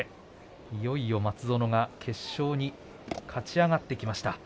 いよいよ松園が決勝に勝ち上がってきました。